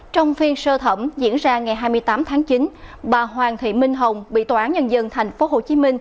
trong phiên sơ thẩm diễn ra ngày hai mươi tám tháng chín bà hoàng thị minh hồng bị tòa án nhân dân tp hcm